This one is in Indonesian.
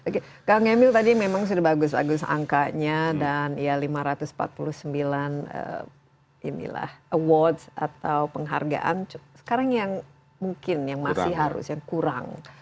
oke kang emil tadi memang sudah bagus bagus angkanya dan ya lima ratus empat puluh sembilan awards atau penghargaan sekarang yang mungkin yang masih harus yang kurang